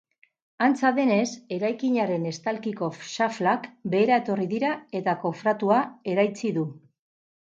Antza denez, eraikinaren estalkiko xaflak behera etorri dira eta kofratua eraitsi du.